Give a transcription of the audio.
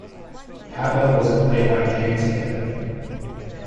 Tabla was played by James Kippen.